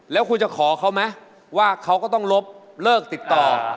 แล้วคุณจะขอเขาไหมว่าเขาก็ต้องลบเลิกติดต่อ